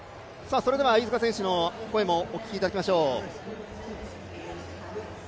飯塚選手の声もお聞きいただきましょう。